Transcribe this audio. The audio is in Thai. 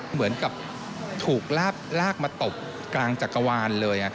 เหมือนกับถูกลากมาตบกลางจักรวาลเลย